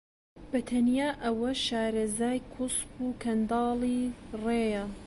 بە تەنیا ئەوە شارەزای کۆسپ و کەنداڵی ڕێیە